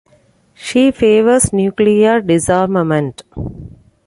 She favours nuclear disarmament.